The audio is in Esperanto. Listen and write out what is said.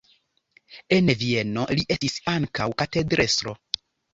En Vieno li estis ankaŭ katedrestro.